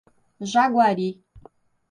Jaguari